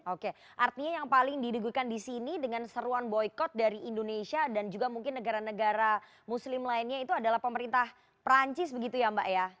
oke artinya yang paling didegukan di sini dengan seruan boykot dari indonesia dan juga mungkin negara negara muslim lainnya itu adalah pemerintah perancis begitu ya mbak ya